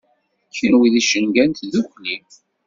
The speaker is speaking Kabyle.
Kenwi d icenga n tdukli.